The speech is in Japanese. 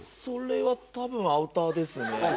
それはたぶんアウターですね。